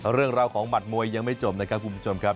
เรื่องราวของหมัดมวยยังไม่จบนะครับคุณผู้ชมครับ